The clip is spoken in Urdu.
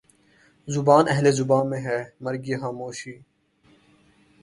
زبانِ اہلِ زباں میں ہے مرگِ خاموشی